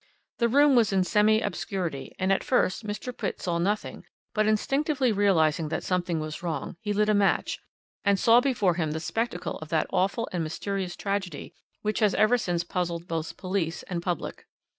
"The room was in semi obscurity, and at first Mr. Pitt saw nothing, but instinctively realizing that something was wrong, he lit a match, and saw before him the spectacle of that awful and mysterious tragedy which has ever since puzzled both police and public.